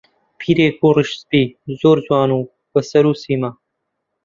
پیرێک بوو ڕیش سپی، زۆر جوان و بە سەر و سیما